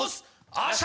あざした！